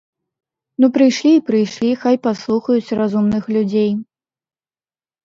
Ну, прыйшлі і прыйшлі, хай паслухаюць разумных людзей.